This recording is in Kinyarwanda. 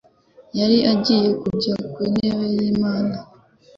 Yari agiye kujya ku ntebe y'Imana